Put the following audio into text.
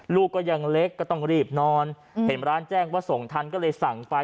ลูกก็ยังเล็กก็ต้องรีบนอนเห็นร้านแจ้งว่าส่งทันก็เลยสั่งไป